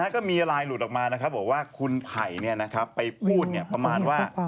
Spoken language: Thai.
ก็มีไลน์หลุดออกมานะครับบอกว่าคุณไผ่ไปพูดประมาณว่า